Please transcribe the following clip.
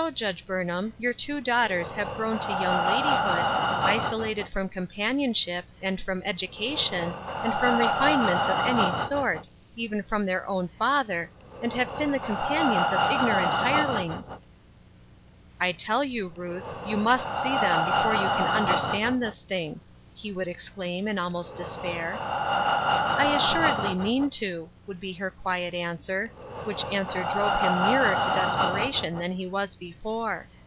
Judge Burnham, your two daugh ters have grown to young ladyhood, isolated from companionship, and from education, and fiom refinements of every sort, even from their own father, and have been the companions of ignorant hirelings !"^* I tell you, Ruth, you must see them before Butyls Burden, 263 you can understand this thing," he would ex claim, in almost despair. "I assuredly mean to," would be her quiet answer, which answer drove him nearer to des peration than he was before.